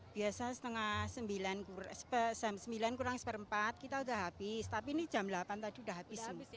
biasa setengah sembilan kurang seperempat kita sudah habis tapi ini jam delapan tadi sudah habis